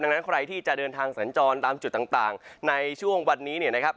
ดังนั้นใครที่จะเดินทางสัญจรตามจุดต่างในช่วงวันนี้เนี่ยนะครับ